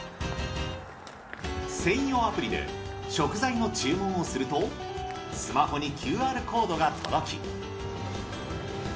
専用アプリで食材の注文をするとスマホにＱＲコードが届き。